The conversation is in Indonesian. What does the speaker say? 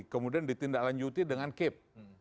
kemudian ditindaklanjuti dengan cap